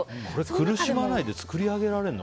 苦しまないで作り上げられるの？